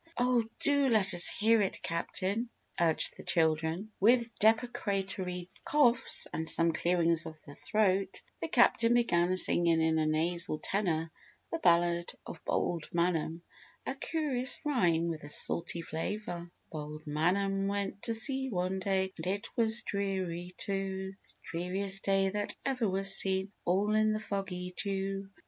"Oh, do let us hear it, Captain!" urged the children. With deprecatory coughs and some clearings of the throat the Captain began singing in a nasal tenor the ballad of Bold Manum, a curious rhyme with a salty flavour: BOLD MANUM Bold Manum went to sea one day And it was dreary too, The dreariest day that ever was seen All in the foggy dew.